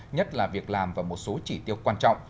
nhất là việc làm và một số chỉ tiêu quan trọng